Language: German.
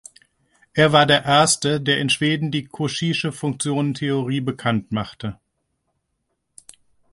Er war der erste, der in Schweden die cauchysche Funktionentheorie bekannt machte.